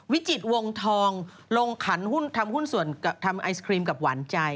วิจิตวงทองลงขันหุ้นทำหุ้นส่วนทำไอศครีมกับหวานใจ